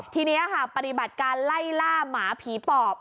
ทีนี้ค่ะปฏิบัติการไล่ล่าหมาผีปอบ